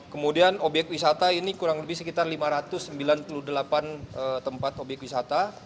kemudian obyek wisata ini kurang lebih sekitar lima ratus sembilan puluh delapan tempat obyek wisata